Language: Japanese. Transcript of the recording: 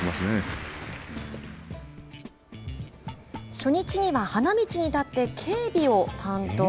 初日には花道に立って警備を担当。